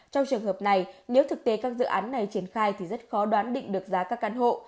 trong trường hợp này nếu thực tế các dự án này triển khai thì rất khó đoán định được giá các căn hộ